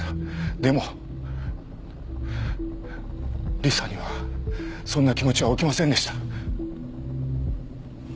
でも理沙にはそんな気持ちは起きませんでした。